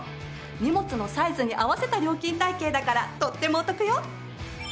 荷物のサイズに合わせた料金体系だからとってもお得よ。